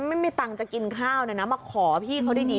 ไม่มีตังค์จะกินข้าวเลยนะมาขอพี่เขาดี